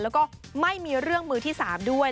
แล้วก็ไม่มีเรื่องมือที่๓ด้วย